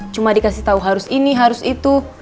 cuma dikasih tahu harus ini harus itu